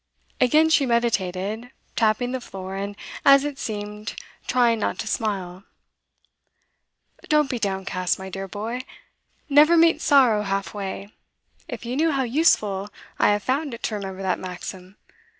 Again she meditated, tapping the floor, and, as it seemed, trying not to smile. 'Don't be downcast, my dear boy. Never meet sorrow half way if you knew how useful I have found it to remember that maxim.